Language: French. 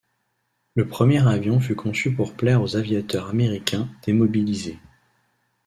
Le premier avion fut conçu pour plaire aux aviateurs américains démobilisés.